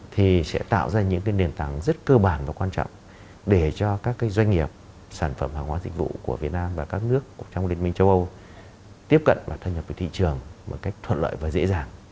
thì sẽ tạo ra những nền tảng rất cơ bản và quan trọng để cho các doanh nghiệp sản phẩm hàng hóa dịch vụ của việt nam và các nước trong liên minh châu âu tiếp cận và thân nhập với thị trường một cách thuận lợi và dễ dàng